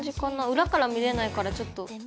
裏から見れないからちょっと。